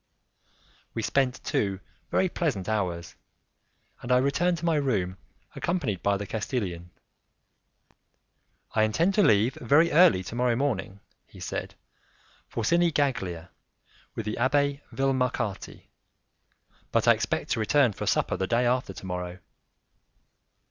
We spent two very pleasant hours, and I returned to my room accompanied by the Castilian. "I intend to leave very early to morrow morning," he said, "for Sinigaglia, with the Abbé Vilmarcati, but I expect to return for supper the day after to morrow."